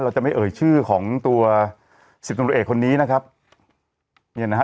จะไม่เอ่ยชื่อของตัวสิบตำรวจเอกคนนี้นะครับเนี่ยนะฮะ